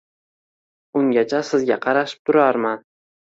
Ungacha sizga qarashib turarman